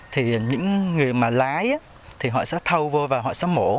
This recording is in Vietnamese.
thì những người mà lái thì họ sẽ thâu vô và họ sẽ mổ